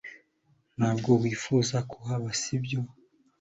Ntabwo wifuzaga kuhaba si byo